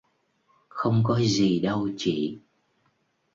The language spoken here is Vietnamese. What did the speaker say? Không có gì đâu chị